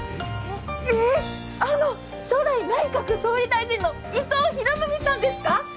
ええっ、あの初代内閣総理大臣の伊藤博文さんですか？